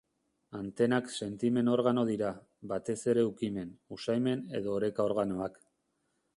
Antenak sentimen-organo dira, batez ere ukimen, usaimen edo oreka-organoak.